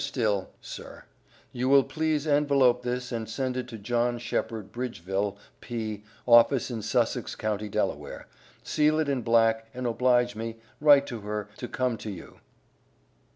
STILL: SIR: you will please Envelope this and send it to John Sheppard Bridgeville P office in Sussex county Delaware, seal it in black and oblige me, write to her to come to you.